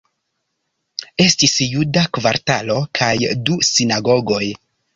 Estis juda kvartalo kaj du sinagogoj.